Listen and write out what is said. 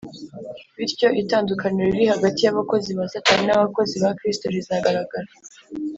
bityo itandukaniro riri hagati y’abakozi ba satani n’abakozi ba kristo rizagaragara